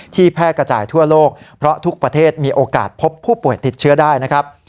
แพร่กระจายทั่วโลกเพราะทุกประเทศมีโอกาสพบผู้ป่วยติดเชื้อได้นะครับ